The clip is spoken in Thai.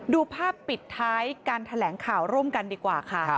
ดูภาพปิดท้ายการแถลงข่าวร่วมกันดีกว่าค่ะ